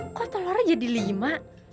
loh kok telornya jadi lima